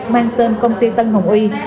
mang tên công ty tân hồng uy